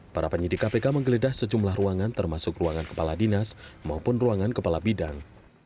para penyidik kpk menggeledah sejumlah ruangan termasuk ruangan kepala dinas maupun ruangan kepala bidang